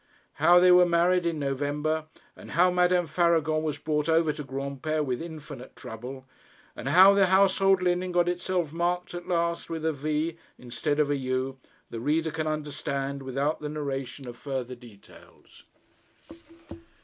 How they were married in November, and how Madame Faragon was brought over to Granpere with infinite trouble, and how the household linen got itself marked at last, with a V instead of a U, the reader can understand without the narration of farther details.